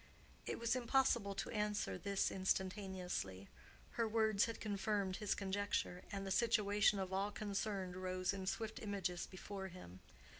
It was impossible to answer this instantaneously. Her words had confirmed his conjecture, and the situation of all concerned rose in swift images before him.